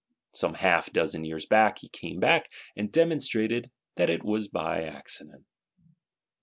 Some half dozen years after, he came back; and demonstrated that it was by accident.